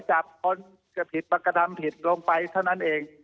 จับคนผิดปรากฏธรรมผิดลงไปเท่านั้นเอง